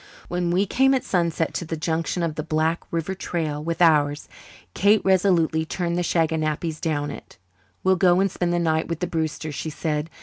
When we came at sunset to the junction of the Black River trail with ours, Kate resolutely turned the shaganappies down it. "We'll go and spend the night with the Brewsters," she said.